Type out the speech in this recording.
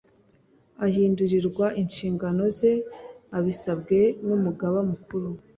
ahindurirw nshingano ze abisabwe n'umugaba mukuru